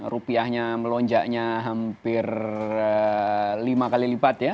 rupiahnya melonjaknya hampir lima kali lipat ya